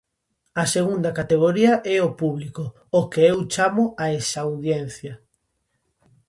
A segunda categoría é o público, o que eu chamo a "exaudiencia".